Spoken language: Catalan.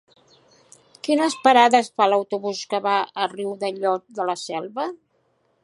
Quines parades fa l'autobús que va a Riudellots de la Selva?